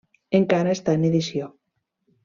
Encara està en edició.